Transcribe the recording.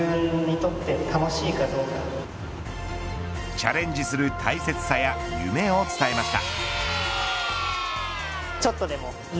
チャレンジする大切さや夢を伝えました。